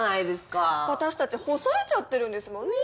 私たち干されちゃってるんですもんねえ。